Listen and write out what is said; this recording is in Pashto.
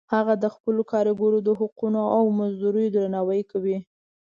هغه د خپلو کاریګرو د حقونو او مزدوریو درناوی کوي